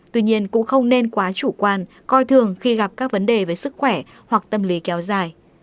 tuy nhiên cũng không nên quá chủ quan coi thường khi gặp các vấn đề về sức khỏe hoặc tâm lý kéo dài